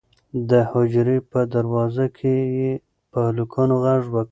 د حجرې په دروازه کې یې په هلکانو غږ وکړ.